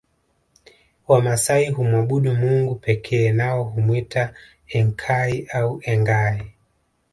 Wamasai humwabudu Mungu pekee nao humwita Enkai au Engai